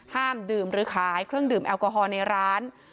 ห้ามดื่มหรือขายเครื่องดื่มแอลกอฮอล์ในร้าน